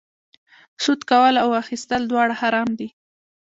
سود کول او اخیستل دواړه حرام دي